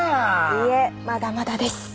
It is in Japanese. いいえまだまだです。